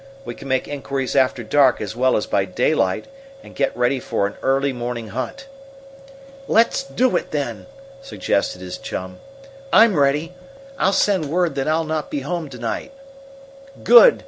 We can make inquiries after dark as well as by daylight and get ready for an early morning hunt." "Let's do it, then!" suggested his chum. "I'm ready. I'll send word that I'll not be home to night." "Good!"